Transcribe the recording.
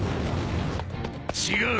違う。